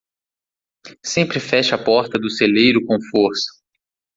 Sempre feche a porta do celeiro com força.